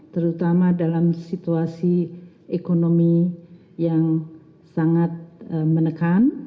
terutama dalam situasi ekonomi yang sangat menekan